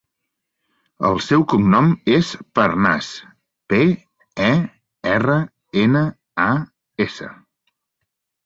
El seu cognom és Pernas: pe, e, erra, ena, a, essa.